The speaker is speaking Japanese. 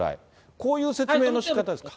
こういう説明のしかたですか。